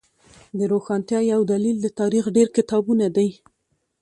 د روښانتیا یو دلیل د تاریخ ډیر کتابونه دی